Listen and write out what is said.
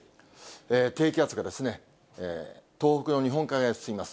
低気圧が東北の日本海側へ進みます。